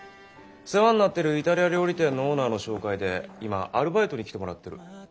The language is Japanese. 世話になってるイタリア料理店のオーナーの紹介で今アルバイトに来てもらってる。